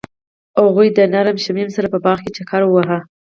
هغوی د نرم شمیم سره په باغ کې چکر وواهه.